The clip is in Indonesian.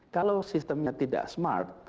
kalau sistemnya tidak smart